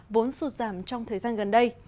vốn sụt giảm trong thời gian gần đây